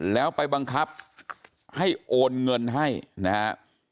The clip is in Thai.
แล้วไปบังคับให้โอนเงินให้นะครับ